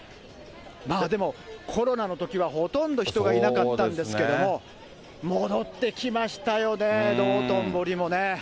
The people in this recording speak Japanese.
まあでも、コロナのときはほとんど人がいなかったんですけども、戻ってきましたよね、道頓堀もね。